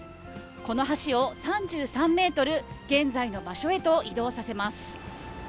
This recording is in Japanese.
この橋を３３メートル、現在の場所へと移動させます。